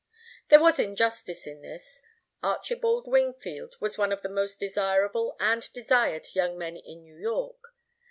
There was injustice in this. Archibald Wingfield was one of the most desirable and desired young men in New York.